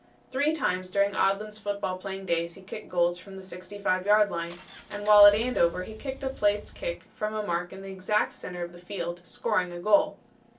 "Three times during Odlin's football playing he kicked goals from the 65 yard line and while at Andover he kicked a placed kick from a mark in the exact center of the field, scoring a goal."